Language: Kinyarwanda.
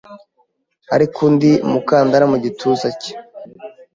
Ariko undi mukandara mugituza cye